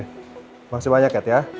terima kasih banyak ya kat